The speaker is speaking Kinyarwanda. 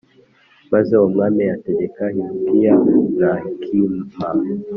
Maze umwami ategeka Hilukiya na Ahikamu